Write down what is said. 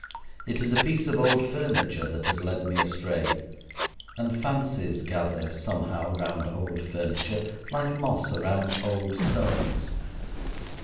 It is a piece of old furniture that has led me astray, and fancies gather, somehow, round old furniture, like moss around old stones.